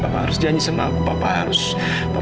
papa harus mencari fakta yang jelas tentang keberadaan anak papa